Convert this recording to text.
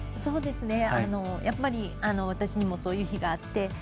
やっぱり私にもそういう日があって。